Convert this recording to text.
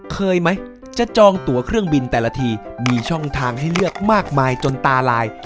เคยไหมจะจองตัวเครื่องบินแต่ละทีมีช่องทางให้เลือกมากมายจนตาลาย